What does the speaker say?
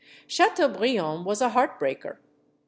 Chateaubriand was a heartbreaker.